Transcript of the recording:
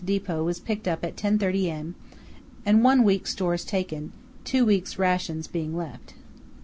depot was picked up at 10.30 a.m., and one week's stores taken, two weeks' rations being left.